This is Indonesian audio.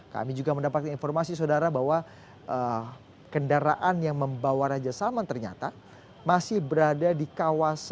kami juga mendapatkan informasi saudara bahwa kendaraan yang membawa raja salman ternyata masih berada di kawasan